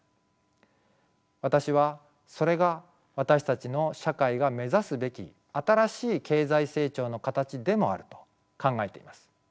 私はそれが私たちの社会が目指すべき新しい経済成長の形でもあると考えています。